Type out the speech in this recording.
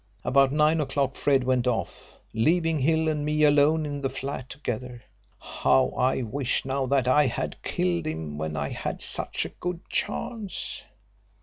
About 9 o'clock Fred went off, leaving Hill and me alone in the flat together. How I wish now that I had killed him when I had such a good chance.